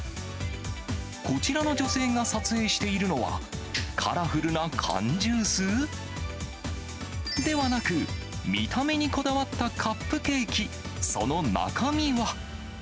こちらの女性が撮影しているのは、カラフルな缶ジュース？ではなく、見た目にこだわったカップケーキ、その中身は。